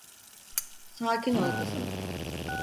Sakin ol kızım.